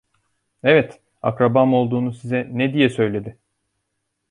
Evet, akrabam olduğunu size ne diye söyledi?